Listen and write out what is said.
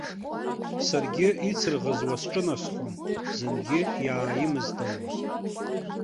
Саргьы ицырӷызуа сҿынасхон, зынгьы иааимыздалон.